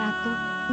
tete tinggal dimana